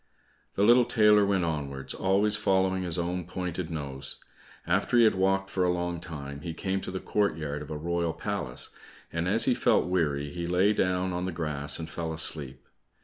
The little tailor went onwards, always following his own pointed nose. After he had walked for a long time, he came to the courtyard of a royal palace, and as he felt weary, he lay down on the grass and fell asleep.